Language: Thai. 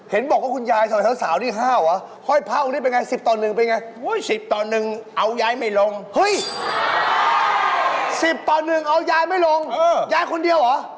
เหอะยายคนเดียวเหรอเจ๊เหอะยายคนเดียว